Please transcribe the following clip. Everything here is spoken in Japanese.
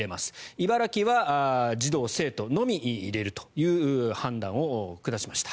茨城は児童・生徒のみ入れるという判断を下しました。